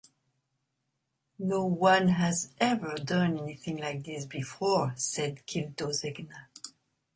"No one has ever done anything like this before", said Gildo Zegna.